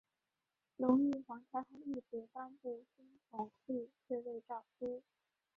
隆裕皇太后懿旨颁布宣统帝退位诏书。